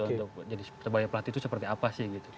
untuk terbayar pelatih itu seperti apa sih gitu